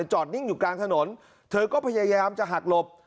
จอดนิ่งอยู่กลางถนนเธอก็พยายามจะหักหลบ